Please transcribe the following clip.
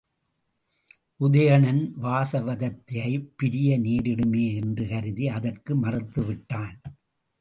உதயணன், வாசவதத்தையைப் பிரிய நேரிடுமே என்று கருதி அதற்கு மறுத்துவிட்டான்.